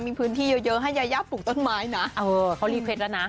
มีพื้นที่เยอะให้ยายาปลูกต้นไม้นะเออเขารีเพชรแล้วนะ